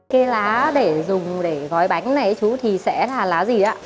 cái lá để dùng để gói bánh này chú thì sẽ là lá gì ạ